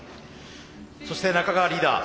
そして中川リーダー。